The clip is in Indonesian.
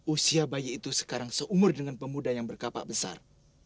usia bayi itu sekarang seumur dengan pemuda yang berkapak besar